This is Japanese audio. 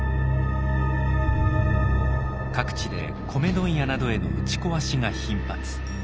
各地で米問屋などへの打ち壊しが頻発。